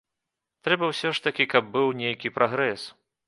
Трэба ўсё ж такі, каб быў нейкі прагрэс.